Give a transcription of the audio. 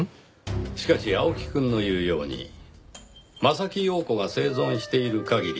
しかし青木くんの言うように柾庸子が生存している限り